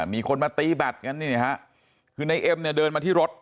มีคนมาตีบัตรกันคือในเอ็มเดินมาที่รถ